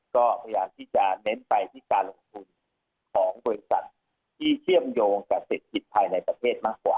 ก็พยายามที่จะเน้นไปที่การลงทุนของบริษัทที่เชื่อมโยงกับเศรษฐกิจภายในประเทศมากกว่า